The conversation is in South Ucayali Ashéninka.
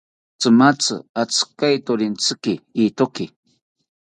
Tzimatzi atzikaitorentzi ithoki